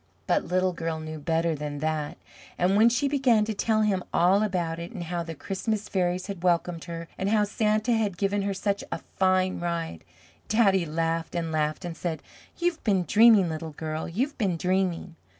But Little Girl knew better than that, and when she began to tell him all about it, and how the Christmas fairies had welcomed her, and how Santa had given her such a fine ride, Daddy laughed and laughed, and said, "You've been dreaming, Little Girl, you've been dreaming."